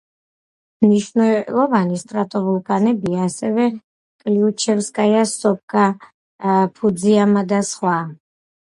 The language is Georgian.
მნიშვნელოვანი სტრატოვულკანებია ასევე კლიუჩევსკაია-სოპკა, ფუძიამა და სხვა.